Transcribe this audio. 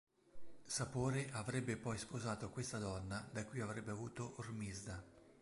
Sapore avrebbe poi sposato questa donna, da cui avrebbe avuto Ormisda.